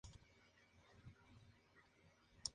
Está bien.